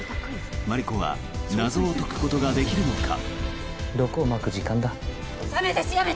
マリコは謎を解くことができるのか。